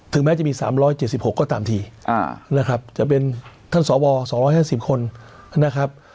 แม้จะมี๓๗๖ก็ตามทีนะครับจะเป็นท่านสว๒๕๐คนนะครับ